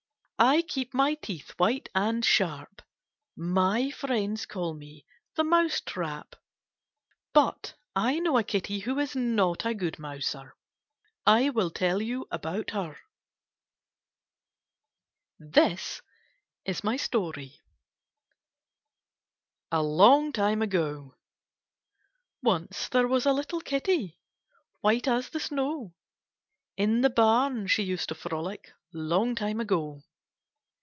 I keep my teeth white and sharp. My friends call me * the Mouse Trap.' But I know a Kitty who is not a good mouser. I will tell you about her. r 34 KITTEJiTS AND CATS This is my story: A LONG TIME AGO Once there was a little Kitty, White as the snow; In the bam she used to frolic, Long time ago.